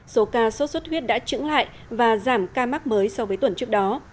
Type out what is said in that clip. số ca sốt xuất huyết đã trứng lại và giảm ca mắc mới so với tuần trước đó